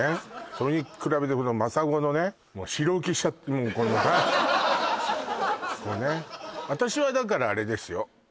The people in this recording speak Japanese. それに比べて眞砂のね白浮きしちゃってこうね私はだからあれですよ